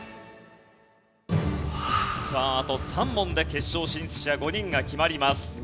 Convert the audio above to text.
さああと３問で決勝進出者５人が決まります。